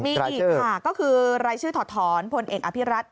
มีอีกค่ะก็คือรายชื่อถอดถอนพลเอกอภิรัต